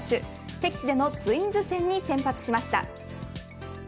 敵地でのツインズ戦に先発しました。